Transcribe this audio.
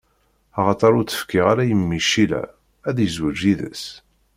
Axaṭer ur tt-fkiɣ ara i mmi Cila, ad izweǧ yid-s.